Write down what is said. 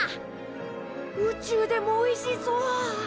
宇宙でもおいしそう！